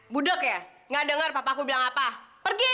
budeg ya nggak dengar papa aku bilang apa pergi